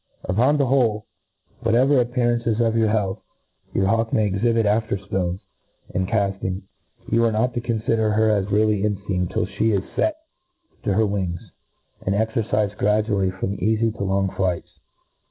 Upon the whole, whatever appearances pf health your hawk may exhibit after fl:ones and calling, you are not to confider her as really en? feamed till flie is ftt to her wings, and ezercifed gradually from eafy to long flights.